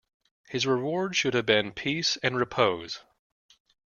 His reward should have been peace and repose.